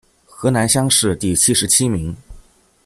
河南乡试第七十七名。